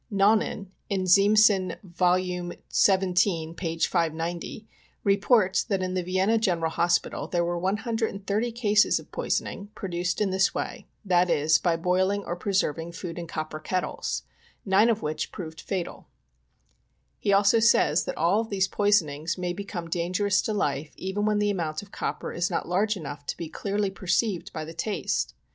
Naunyn, in Ziemssen, Yol. XYIL, p. 590, reports that in the Vienna General Hospital there were 130 cases of poison ing, produced in this way, that is, by boiling or preserving food in copper kettles, nine of which proved fatal. He also says all of these poisonings may become dangerous to life even when the amount of copper is not large enough to be clearly perceived by the taste.